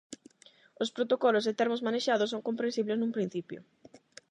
Os protocolos e termos manexados son comprensibles nun principio.